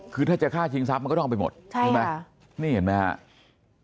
คือถ้าจะฆ่าชิงทรัพย์มันก็ต้องเอาไปหมดใช่ไหมนี่เห็นไหมครับ